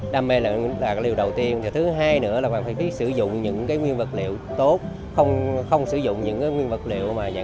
đam mê là điều đầu tiên thứ hai nữa là bạn phải sử dụng những nguyên vật liệu tốt không sử dụng những nguyên vật liệu mà